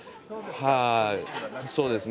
はいそうですね